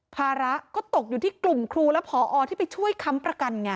ภาระก็ตกอยู่ที่กลุ่มครูและผอที่ไปช่วยค้ำประกันไง